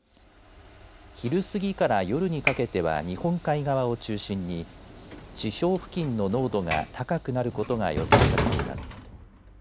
昼過ぎから夜にかけては日本海側を中心に地表付近の濃度が高くなることが予想されています。